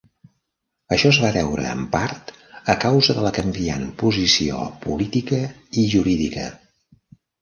Això es va deure en part a causa de la canviant posició política i jurídica.